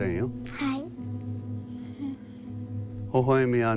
はい。